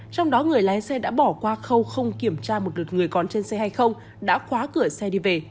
trong đó người lái xe đã bỏ qua khâu không kiểm tra một đợt người có trên xe hay không đã khóa cửa xe đi về